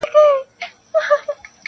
اوسېده په یوه کورکي له کلونو -